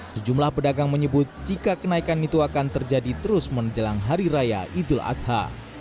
sejumlah pedagang menyebut jika kenaikan itu akan terjadi terus menjelang hari raya idul adha